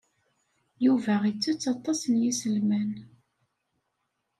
Yuba ittett aṭas n yiselman.